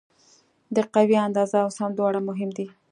د قوې اندازه او سمت دواړه مهم دي.